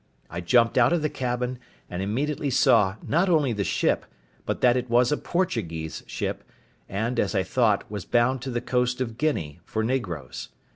I jumped out of the cabin, and immediately saw, not only the ship, but that it was a Portuguese ship; and, as I thought, was bound to the coast of Guinea, for negroes.